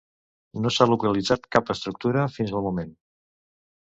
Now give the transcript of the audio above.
No s'ha localitzat cap estructura fins al moment.